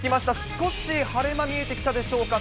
少し晴れ間見えてきたでしょうか。